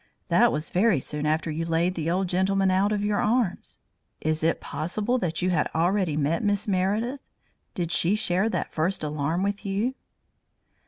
That was very soon after you laid the old gentleman out of your arms. Is it possible that you had already met Miss Meredith? Did she share that first alarm with you?"